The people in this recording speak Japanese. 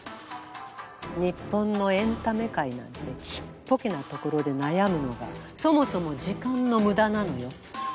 日本のエンタメ界なんてちっぽけなところで悩むのがそもそも時間の無駄なのよ。